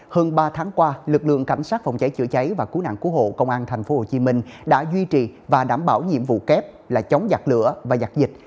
hơn ba tháng qua lực lượng cảnh sát phòng cháy chữa cháy và cứu nạn cứu hộ công an tp hcm đã duy trì và đảm bảo nhiệm vụ kép là chống giặc lửa và giặc dịch